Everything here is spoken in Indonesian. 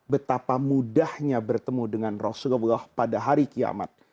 betapa mudahnya bertemu dengan rasulullah pada hari kiamat